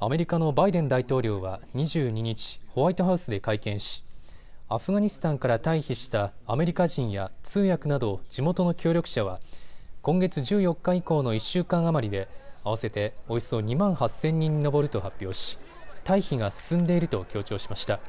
アメリカのバイデン大統領は２２日、ホワイトハウスで会見しアフガニスタンから退避したアメリカや通訳など地元の協力者は今月１４日以降の１週間余りで合わせておよそ２万８０００人に上ると発表し退避が進んでいると強調しました。